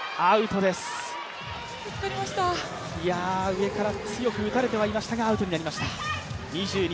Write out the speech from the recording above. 上から強く打たれてはいましたがアウトになりました。